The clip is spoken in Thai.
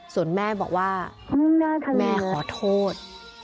ส่วนแม่บอกว่าแม่ขอโทษ